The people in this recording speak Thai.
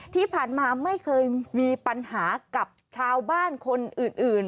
ที่ผ่านมาไม่เคยมีปัญหากับชาวบ้านคนอื่น